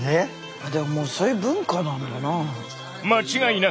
あっでももうそういう文化なんだな。